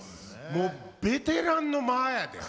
もうベテランの間やで。